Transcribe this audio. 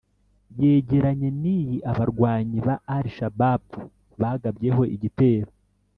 yegeranye n’iyi abarwanyi ba Al Shabaab bagabyeho igitero